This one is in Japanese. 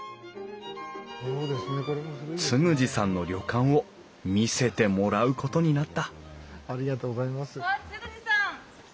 嗣二さんの旅館を見せてもらうことになったあっ嗣二さん！